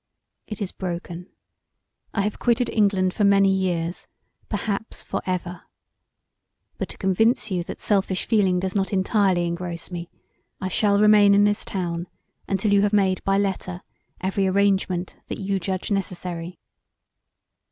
It is broken: I have quitted England for many years, perhaps for ever. But to convince you that selfish feeling does not entirely engross me I shall remain in this town untill you have made by letter every arrangement that you judge necessary.